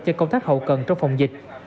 cho công tác hậu cần trong phòng dịch